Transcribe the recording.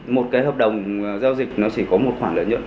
một cái hợp đồng giao dịch nó chỉ có một khoản lợi nhuận